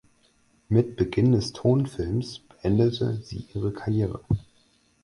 Mit Beginn des Tonfilms beendete sie ihre Karriere.